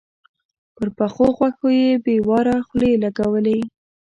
پر پخو غوښو يې بې واره خولې لګولې.